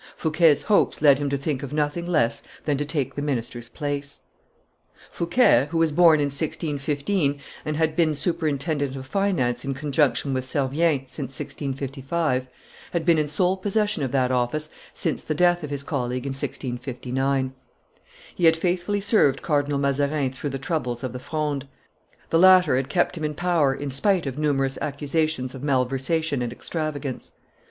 Fouquet's hopes led him to think of nothing less than to take the minister's place. [Illustration: Fouquet 404] Fouquet, who was born in 1615, and had been superintendent of finance in conjunction with Servien since 1655, had been in sole possession of that office since the death of his colleague in 1659. He had faithfully served Cardinal Mazarin through the troubles of the Fronde. The latter had kept him in power in spite of numerous accusations of malversation and extravagance.